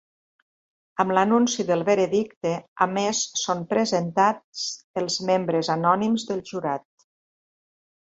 Amb l'anunci del veredicte a més són presentats els membres anònims del jurat.